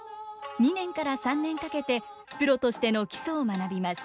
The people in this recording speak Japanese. ２年から３年かけてプロとしての基礎を学びます。